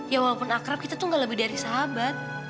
ya walaupun akrab kita tuh gak lebih dari sahabat